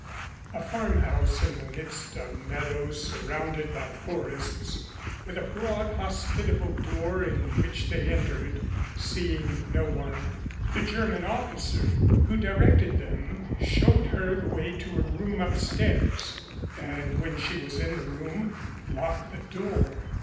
A farmhouse in the midst of meadows surrounded by forests, with a broad hospitable door in which they entered, seeing no one. The German officer who directed them showed her the way to a room upstairs and when she was in the room locked the door.